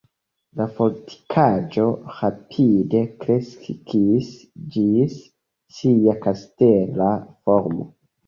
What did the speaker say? La fortikaĵo rapide kreskis ĝis sia kastela formo.